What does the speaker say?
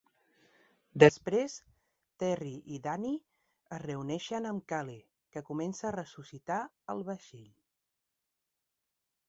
Després, Terri i Danny es reuneixen amb Cale, que comença a ressuscitar al vaixell.